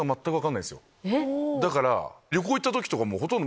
だから。